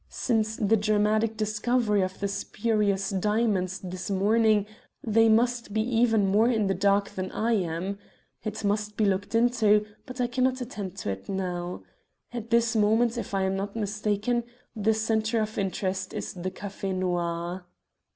Since the dramatic discovery of the spurious diamonds this morning they must be even more in the dark than I am. It must be looked into, but I cannot attend to it now. At this moment, if I am not mistaken, the centre of interest is the Café Noir."